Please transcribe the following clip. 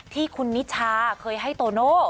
ที่คุณนิชาเคยให้โตโน่